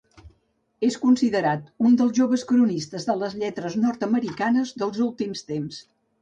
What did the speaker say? És considerat un dels joves cronistes de les lletres nord-americanes dels últims temps.